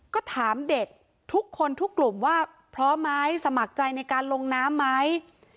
ก็ถามเด็กทุกคนทุกกลุ่มว่าพร้อมไหมสมัครใจในการลงน้ำไหม